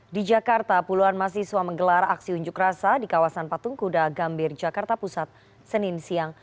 di jakarta puluhan mahasiswa menggelar aksi unjuk rasa di kawasan patung kuda gambir jakarta pusat senin siang